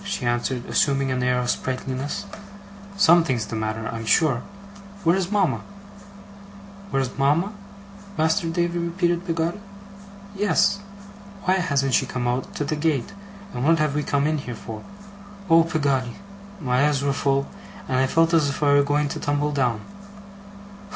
she answered, assuming an air of sprightliness. 'Something's the matter, I'm sure. Where's mama?' 'Where's mama, Master Davy?' repeated Peggotty. 'Yes. Why hasn't she come out to the gate, and what have we come in here for? Oh, Peggotty!' My eyes were full, and I felt as if I were going to tumble down.